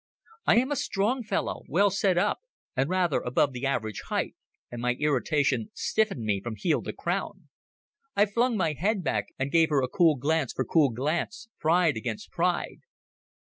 I am a strong fellow, well set up, and rather above the average height, and my irritation stiffened me from heel to crown. I flung my head back and gave her cool glance for cool glance, pride against pride.